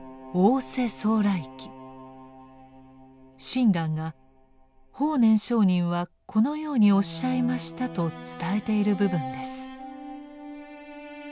親鸞が「法然上人はこのようにおっしゃいました」と伝えている部分です。